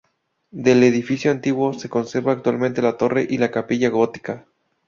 Del edificio antiguo, se conserva actualmente la torre y la capilla gótica.